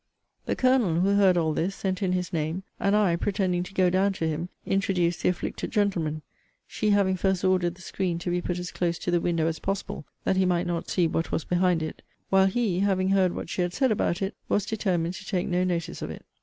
The Colonel, (who heard all this,) sent in his name; and I, pretending to go down to him, introduced the afflicted gentleman; she having first ordered the screen to be put as close to the window as possible, that he might not see what was behind it; while he, having heard what she had said about it, was determined to take no notice of it.